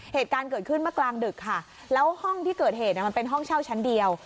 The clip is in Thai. เหตุการณ์เกิดขึ้นเมื่อกลางดึกค่ะแล้วห้องที่เกิดเหตุมันเป็นห้องเช่าชั้นเดียว